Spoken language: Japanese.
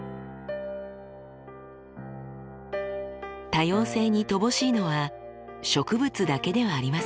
多様性に乏しいのは植物だけではありません。